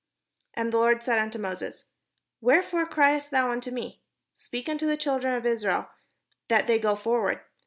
And the Lord said unto Moses: ''Wherefore criest thou unto me? speak unto the children of Israel, that they go forward.